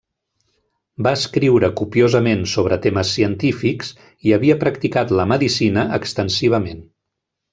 Va escriure copiosament sobre temes científics i havia practicat la medicina extensivament.